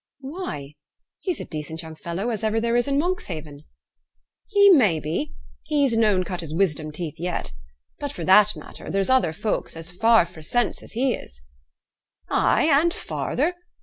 'Why? he's a decent young fellow as ever there is in Monkshaven.' 'He may be. He's noane cut his wisdom teeth yet. But, for that matter, there's other folks as far fra' sense as he is.' 'Ay, and farther.